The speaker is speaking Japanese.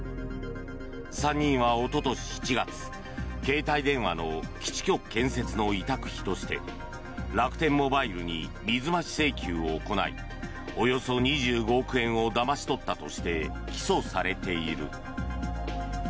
３人はおととし７月携帯電話の基地局建設の委託費として楽天モバイルに水増し請求を行いおよそ２５億円をだまし取ったとして起訴されている。